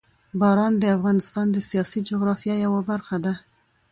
باران د افغانستان د سیاسي جغرافیه یوه برخه ده.